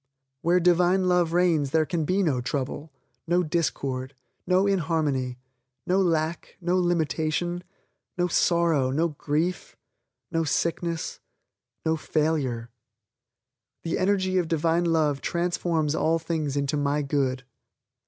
Where Divine Love reigns there can be no trouble, no discord, no inharmony, no lack, no limitation, no sorrow, no grief, no sickness, no failure. The energy of Divine Love transforms all things into my Good.